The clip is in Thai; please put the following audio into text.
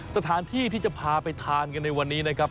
สถานที่ที่จะพาไปทานกันในวันนี้นะครับ